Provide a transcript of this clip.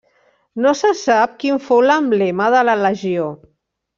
No se sap quin fou l'emblema de la legió.